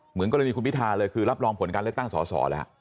เหมือนกรณีคุณพิทาเลยคือรับรองผลการเลือกตั้งสอสอแล้ว